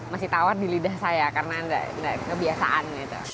masih tawar di lidah saya karena nggak kebiasaan